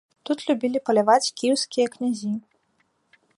Тут любілі паляваць кіеўскія князі.